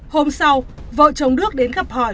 hôm sau vợ chồng đức đến gặp hỏi